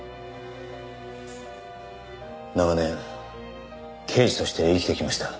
長年刑事として生きてきました。